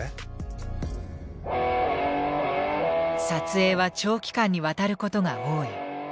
撮影は長期間にわたることが多い。